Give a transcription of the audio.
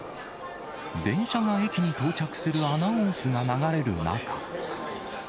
電車が駅に到着するアナウンスが流れる中。